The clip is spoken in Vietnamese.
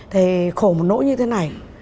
thì khổ một nỗi như thế này